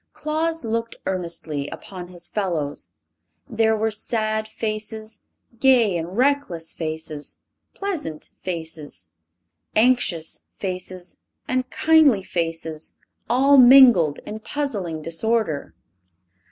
Claus looked earnestly upon his fellows. There were sad faces, gay and reckless faces, pleasant faces, anxious faces and kindly faces, all mingled in puzzling disorder.